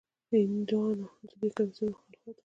هندیانو د دې کمیسیون مخالفت وکړ.